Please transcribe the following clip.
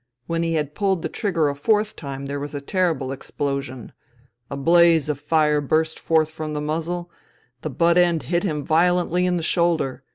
When he had pulled the trigger a fourth time there was a terrible explosion ; a blaze of fire burst forth from the muzzle ; the butt end hit him violently in the shoulder.